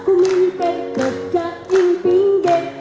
kuminter doka ing pinggir